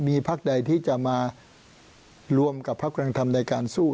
มีพักใดที่จะมารวมกับพักกำลังทำในการสู้